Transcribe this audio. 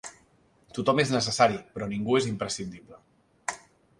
Tothom és necessari, però ningú imprescindible.